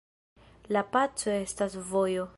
La paco estas vojo.